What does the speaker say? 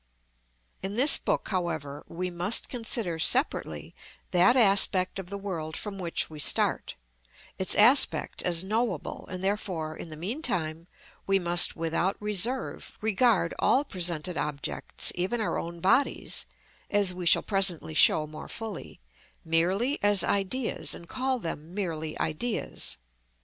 In this book, however, we must consider separately that aspect of the world from which we start, its aspect as knowable, and therefore, in the meantime, we must, without reserve, regard all presented objects, even our own bodies (as we shall presently show more fully), merely as ideas, and call them merely ideas.